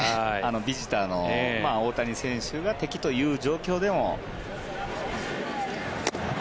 ビジターの大谷選手が敵という状況でも。